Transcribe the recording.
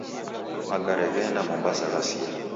Magare gheenda Mombasa ghasia